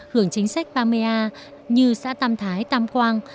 hưởng chính sách ba mươi a như xã tam thái tam quang